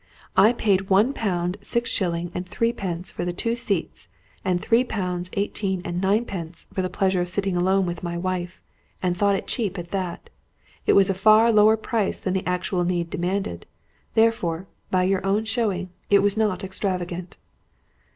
I paid one pound, six shillings and three pence for the two seats, and three pounds, eighteen and nine pence for the pleasure of sitting alone with my wife, and thought it cheap at that. It was a far lower price than the actual need demanded; therefore, by your own showing, it was not extravagant."